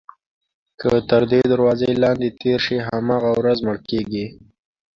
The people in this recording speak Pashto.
که تر دې دروازې لاندې تېر شي هماغه ورځ مړ کېږي.